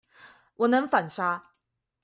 我能反殺